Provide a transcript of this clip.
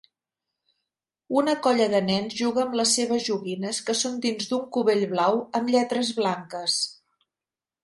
Una colla de nens juga amb les seves joguines que són dins d'un cubell blau amb lletres blanques